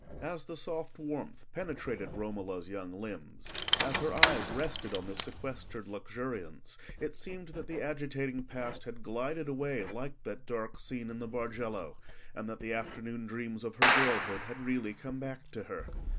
As the soft warmth penetrated Romola's young limbs, as her eyes rested on this sequestered luxuriance, it seemed that the agitating past had glided away like that dark scene in the Bargello, and that the afternoon dreams of her girlhood had really come back to her.